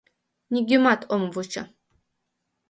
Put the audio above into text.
Нигӧмат ом вучо.